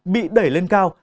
bị đẩy lên cao